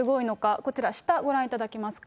こちら、下、ご覧いただけますか。